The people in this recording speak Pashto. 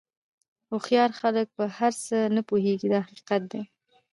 هوښیار خلک په هر څه نه پوهېږي دا حقیقت دی.